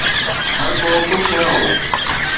هرڪو خوش نه هو